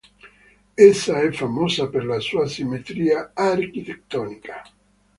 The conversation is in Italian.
Essa è famosa per la sua simmetria architettonica.